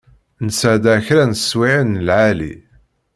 Nesεedda kra n teswiεin n lεali.